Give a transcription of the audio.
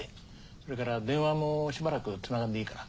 それから電話もしばらくつながんでいいから。